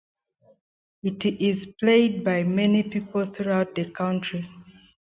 It is played by many people throughout the country.